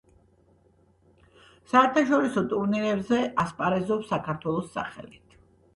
საერთაშორისო ტურნირებზე ასპარეზობს საქართველოს სახელით.